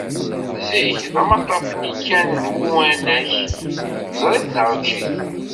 Zik d amaṭṭaf-nni kan n Uwanak, ẓer-it, neɣ eǧǧ-it!